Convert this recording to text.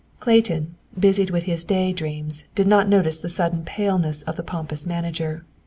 Clayton, busied with his day dreams, did not notice the sudden paleness of the pompous manager.